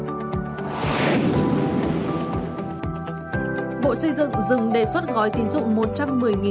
bộ xây dựng dừng đề xuất gói tín dụng